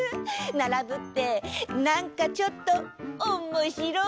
ならぶってなんかちょっとおもしろい！